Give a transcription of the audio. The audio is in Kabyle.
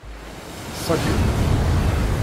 Ṣeggem.